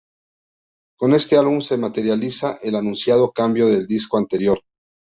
Con este álbum se materializa el anunciado cambio del disco anterior.